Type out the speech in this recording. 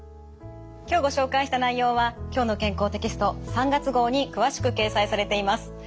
今日ご紹介した内容は「きょうの健康」テキスト３月号に詳しく掲載されています。